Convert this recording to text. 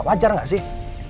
wajar gak sih